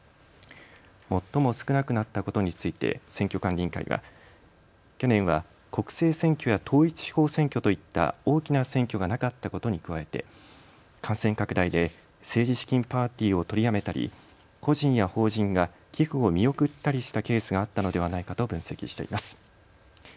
最も少なくなったことについて選挙管理委員会は去年は国政選挙や統一地方選挙といった大きな選挙がなかったことに加えて感染拡大で政治資金パーティーを取りやめたり個人や法人が寄付を見送ったりしたケースがあったのではないかと分析しています。